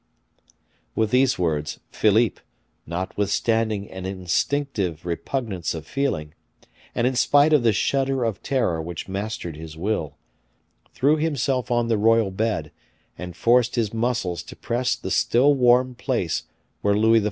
With these words, Philippe, notwithstanding an instinctive repugnance of feeling, and in spite of the shudder of terror which mastered his will, threw himself on the royal bed, and forced his muscles to press the still warm place where Louis XIV.